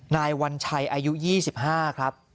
นายวัญชัยอายุ๒๕ครับ